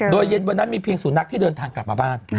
โดยเย็นวันนั้นมีเพียงสุนัขที่เดินทางกลับมาบ้าน